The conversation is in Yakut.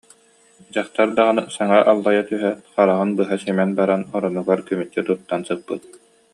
Дьахтар даҕаны саҥа аллайа түһээт, хараҕын быһа симэн баран, оронугар кумуччу туттан сыппыт